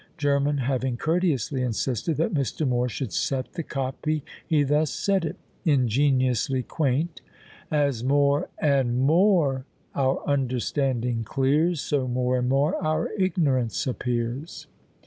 German having courteously insisted that Mr. More should set the copy, he thus set it, ingeniously quaint! As more, and MORE, our understanding clears, So more and more our ignorance appears.